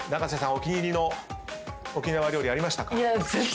お気に入りの沖縄料理ありましたか？